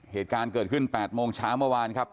เหตุการณ์เกิดขึ้น๘โมงเช้าเมื่อวานครับ